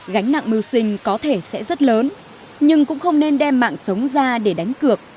gánh nặng mưu sinh có thể sẽ rất lớn nhưng cũng không nên đem mạng sống ra để đánh cược